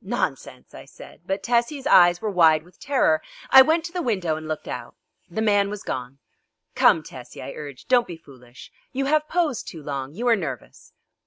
"Nonsense," I said, but Tessie's eyes were wide with terror. I went to the window and looked out. The man was gone. "Come, Tessie," I urged, "don't be foolish. You have posed too long; you are nervous."